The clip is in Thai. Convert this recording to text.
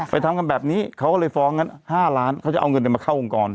ทำกันแบบนี้เขาก็เลยฟ้องงั้น๕ล้านเขาจะเอาเงินมาเข้าองค์กร